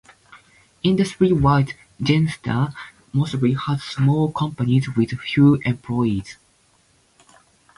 Industry-wise, Gnesta mostly has small companies with few employed.